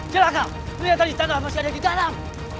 jelaka lu yang tadi tanggal masih ada di dalam